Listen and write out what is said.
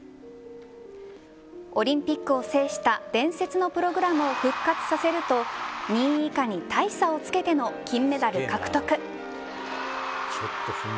オリンピックを制した伝説のプログラムを復活させると２位以下に大差をつけての金メダル獲得。